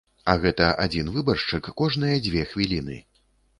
А гэта адзін выбаршчык кожныя дзве хвіліны.